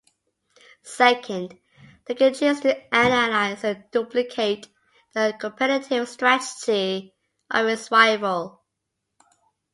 Second, they can choose to analyze and duplicate the competitive strategy of its rival.